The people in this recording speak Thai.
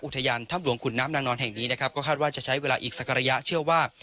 ถ้ามหลวงขุนน้ำหนอนแห่งนี้นะครับก็คาดว่าจะใช้เวลาอีกสังหรยะเชื่อว่า